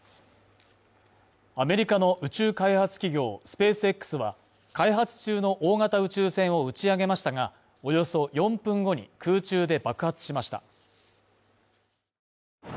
アメリカの宇宙開発企業スペースＸは、開発中の大型宇宙船を打ち上げましたが、およそ４分後に空中で爆発しました。